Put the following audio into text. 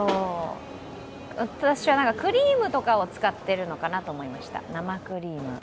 私は、クリームとかを使ってるのかなと思いました。